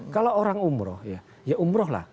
kalau orang umroh ya ya umroh lah